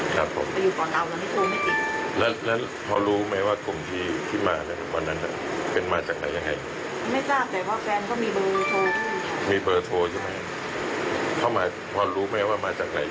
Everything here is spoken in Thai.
ยังไม่ทราบ